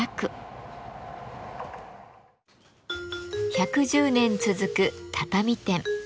１１０年続く畳店。